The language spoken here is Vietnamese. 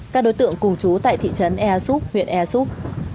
các đối tượng cùng chú tại thị trấn ea súp huyện ea súp